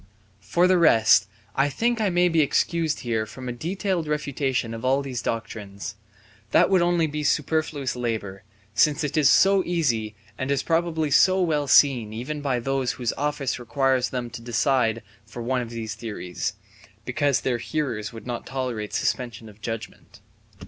For the rest I think I may be excused here from a detailed refutation of all these doctrines; that would only be superfluous labour, since it is so easy, and is probably so well seen even by those whose office requires them to decide for one of these theories (because their hearers would not tolerate suspension of judgement).